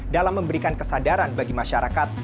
dalam memberikan kesadaran bagi masyarakat